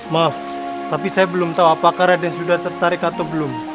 maaf tapi saya belum tahu apakah ada yang sudah tertarik atau belum